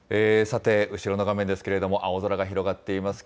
さて、後ろの画面ですけれども、青空が広がっています。